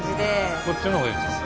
こっちの方がいいですか？